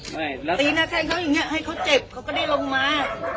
ใช่แล้วตีหน้าแทงเขาอย่างนี้ให้เขาเจ็บเขาก็ได้ลงมา